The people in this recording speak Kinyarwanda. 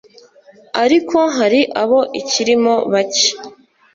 ariko hari abo ikirimo bake